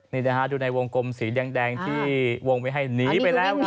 นี่นะฮะดูในวงกลมสีแดงที่วงไว้ให้หนีไปแล้วครับ